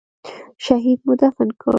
شهيد مو دفن کړ.